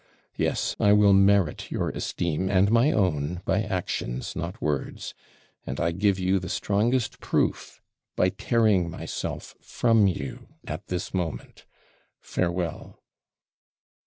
Yes, I will merit your esteem and my own by actions, not words; and I give you the strongest proof, by tearing myself from you at this moment. Farewell!'